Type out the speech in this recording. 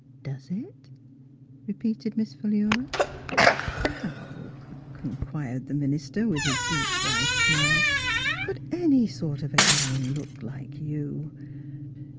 "Does it?" repeated Miss Philura. " How," inquired the minister, with his deep, wise smile, " could any sort of a gown look like you?